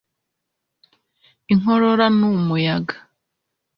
inkorora n'umuyaga